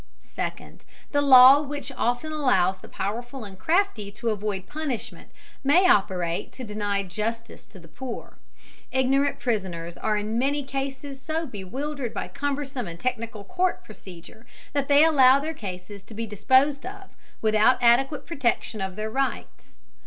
Second, the law which often allows the powerful and crafty to avoid punishment may operate to deny justice to the poor. Ignorant prisoners are in many cases so bewildered by cumbersome and technical court procedure that they allow their cases to be disposed of without adequate protection of their rights.